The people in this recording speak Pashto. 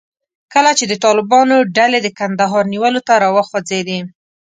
کله چې د طالبانو ډلې د کندهار نیولو ته راوخوځېدې.